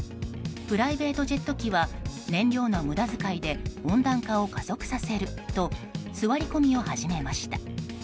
プライベートジェット機は燃料の無駄遣いで温暖化を加速させると座り込みを始めました。